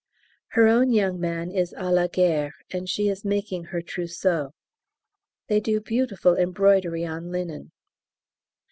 Her own young man is à la Guerre, and she is making her trousseau. They do beautiful embroidery on linen.